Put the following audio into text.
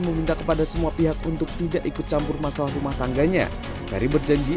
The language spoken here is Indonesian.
meminta kepada semua pihak untuk tidak ikut campur masalah rumah tangganya ferry berjanji